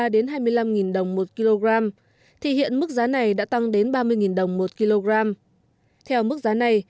đến hai mươi năm đồng một kg thì hiện mức giá này đã tăng đến ba mươi đồng một kg theo mức giá này